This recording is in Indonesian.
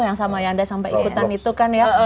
yang sama yanda sampai ikutan itu kan ya